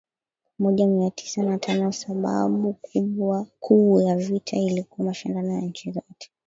moja mia tisa na tanoSababu kuu ya vita ilikuwa mashindano ya nchi zote